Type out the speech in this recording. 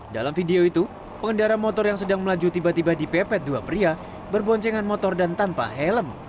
dalam video itu pengendara motor yang sedang melaju tiba tiba dipepet dua pria berboncengan motor dan tanpa helm